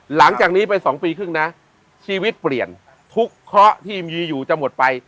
หลังจากนี้ไป๒ปีครึ่งนะชีวิตเปลี่ยนทุกเคราะห์ที่มีอยู่จะหมดไป